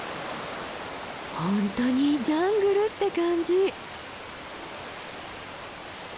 本当にジャングルって感じ。